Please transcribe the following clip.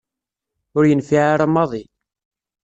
Ur yenfiε ara maḍi.